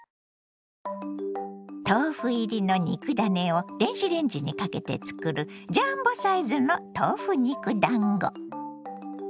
豆腐入りの肉ダネを電子レンジにかけて作るジャンボサイズの豆腐肉だんご。